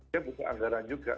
ya buka anggaran juga